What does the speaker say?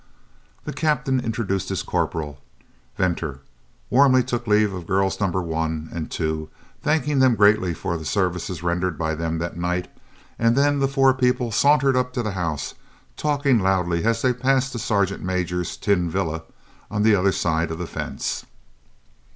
The Captain introduced his corporal, Venter, warmly took leave of girls No. 1 and 2, thanking them gratefully for services rendered by them that night, and then the four people sauntered up to the house, talking loudly as they passed the sergeant major's tin "villa" on the other side of the fence.